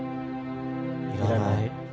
いらない。